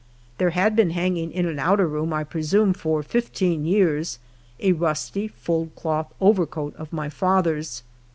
There had been hanging in an outer room, I presume for fifteen years, a rusty, fulled cloth overcoat of my father's.